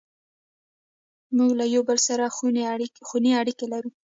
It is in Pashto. موږ له یو بل سره خوني اړیکې لرو.